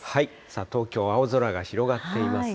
東京、青空が広がっていますね。